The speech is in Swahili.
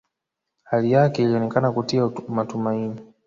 Hali yake ilionekana kutia matumaini